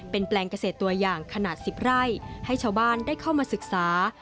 เป็นแปลงเกษตรตัวอย่างขนาด๑๐ไร่ให้ชาวบ้านได้เข้ามาศึกษา